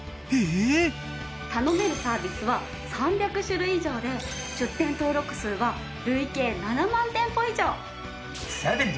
頼めるサービスは３００種類以上で出店登録数は累計７万店舗以上！